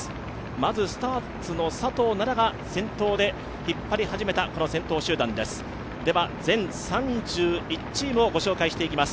まずスターツの佐藤奈々が先頭で引っ張り始めた先頭集団です。